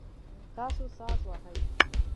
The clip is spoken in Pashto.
تاسو ساز وهئ؟